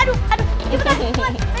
aduh aduh aduh